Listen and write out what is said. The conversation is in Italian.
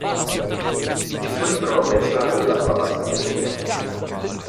Il suo libro non menziona nulla sulla pasta di legno.